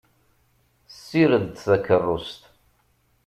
Ssired-d takeṛṛust.